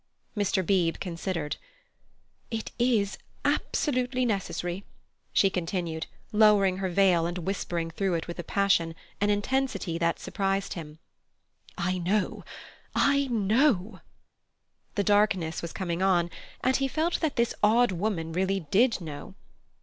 Mr. Beebe considered. "It is absolutely necessary," she continued, lowering her veil and whispering through it with a passion, an intensity, that surprised him. "I know—I know." The darkness was coming on, and he felt that this odd woman really did know.